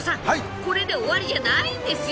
これで終わりじゃないんですよ。